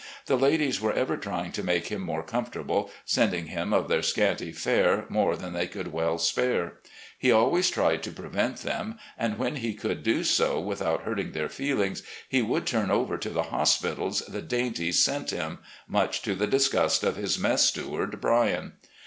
The ladies were ever trying to make him more comfortable, sending him of their scanty fare more than they could well spare. He always tried to prevent them, and when he could do so without hurting their feelings he would turn over to the hospitals the dainties sent him — ^much to the disgust of his mess steward, Bryan.